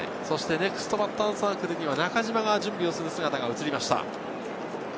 ネクストバッターズサークルには、中島が準備をする姿が映りました。